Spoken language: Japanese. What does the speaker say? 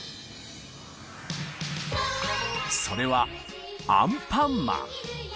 それはアンパンマン。